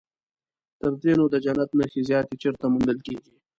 تر دې نو د جنت نښې زیاتې چیرته موندل کېږي.